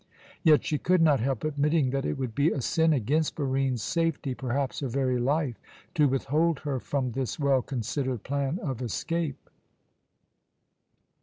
Yet she could not help admitting that it would be a sin against Barine's safety, perhaps her very life, to withhold her from this well considered plan of escape.